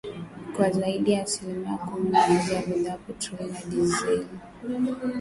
kwa zaidi ya asilimia kumi na Mmoja kwa bidhaa ya petroli na dizeli na